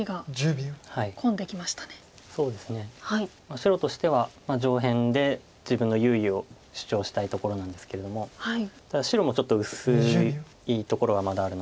白としては上辺で自分の優位を主張したいところなんですけどもただ白もちょっと薄いところがまだあるので。